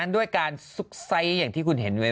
ด้วยการซุกไซซ์ที่คุณเห็นไหม